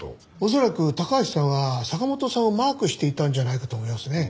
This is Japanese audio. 恐らく高橋さんは坂本さんをマークしていたんじゃないかと思いますね。